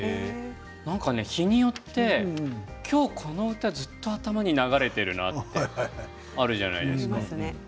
なんかね、日によって今日この歌ずっと頭に流れているなっていうのがあるじゃないですか。